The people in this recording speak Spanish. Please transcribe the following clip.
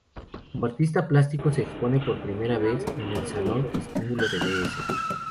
Como artista plástico se expone por primera vez en el Salón Estímulo de Bs.